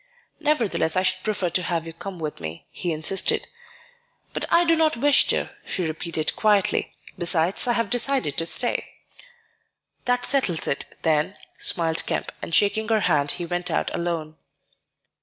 "Nevertheless, I should prefer to have you come with me," he insisted. "But I do not wish to," she repeated quietly; "besides, I have decided to stay." "That settles it, then," smiled Kemp; and shaking her hand, he went out alone.